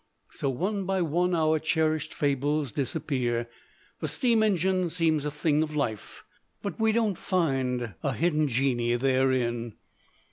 So one by one our cherished fables disappear. The steam engine seems a thing of life; but we do not find a hidden geni therein.